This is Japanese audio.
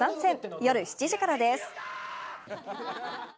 夜７時からです。